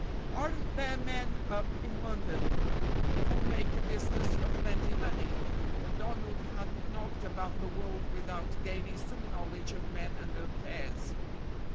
"Aren't there men up in London who make a business of lending money?" for Donald hadn't knocked about the world without gaining some knowledge of men and affairs.